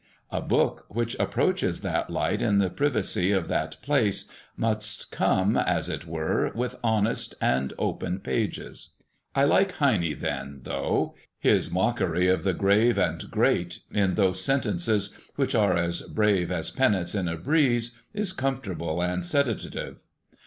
A book which approaches that light in the privacy of that place must come, as it were, with honest and open pages. I like Heine then, though. His mockery of the grave and great, in those sentences which are as brave as pennants in a breeze, is comfortable and sedative.